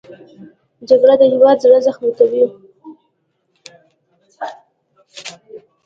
جګړه د هېواد زړه زخمي کوي